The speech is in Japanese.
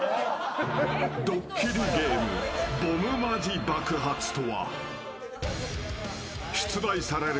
ドッキリゲームボムマジ爆発とは出題される